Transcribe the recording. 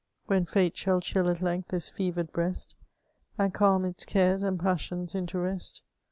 When fate shall chill at length this fever'd breast. And calm its cares and passions into rest.